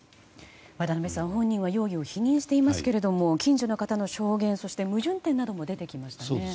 渡辺さん本人は容疑を否認していますが近所の方の証言そして矛盾点なども出てきましたね。